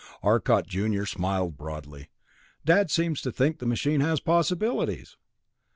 Arcot junior grinned broadly. "Dad seems to think the machine has possibilities!